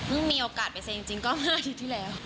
เพิ่งมีโอกาสไปเซ็นจริงก็มาอาทิตย์ที่แล้ว